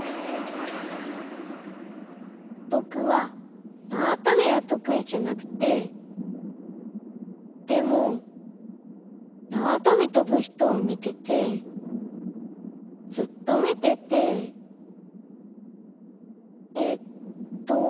ぼくはなわとびはとくいじゃなくてでもなわとびとぶひとをみててずっとみててえっと。